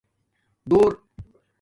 دُݸر